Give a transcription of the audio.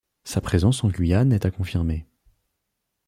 Sa présence en Guyane est à confirmer.